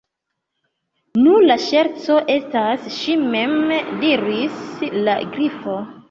"Nu, la ŝerco estas ŝi mem," diris la Grifo.